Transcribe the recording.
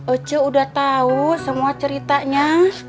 ocu udah tahu semua ceritanya